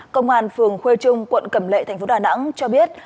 công an phường khuê trung quận cẩm lệ thành phố đà nẵng cho biết